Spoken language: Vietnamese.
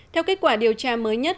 theo kết quả điều tra mới nhất